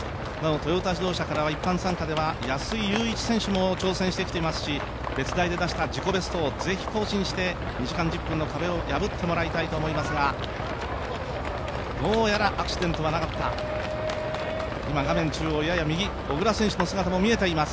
トヨタ自動車からは一般参加では安井雄一選手も挑戦してきてますし別大で出した自己ベストを更新して２時間１０分の壁を破ってほしいと思いますがどうやらアクシデントはなかった、今、画面中央やや右、小椋選手の姿も見えています。